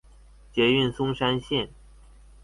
捷運松山線